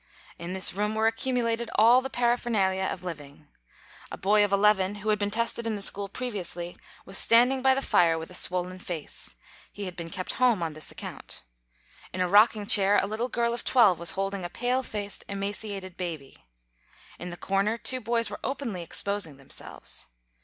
In this room were accumulated all the paraphernalia of living. A boy of eleven, who had been tested in the school previously, was standing by the fire with a swollen face. He had been kept home on this account. In a rocking chair, a little girl of twelve was holding a pale faced, emaciated baby. In the corner two boys were openly exposing themselves.